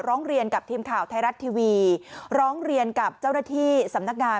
ร้องเรียนกับทีมข่าวไทยรัฐทีวีร้องเรียนกับเจ้าหน้าที่สำนักงาน